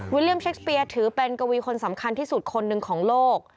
เลี่ยมเช็คสเปียร์ถือเป็นกวีคนสำคัญที่สุดคนหนึ่งของโลก